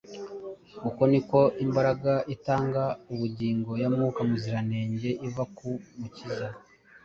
Uko ni ko imbaraga itanga ubugingo ya Mwuka Muziranenge iva ku Mukiza,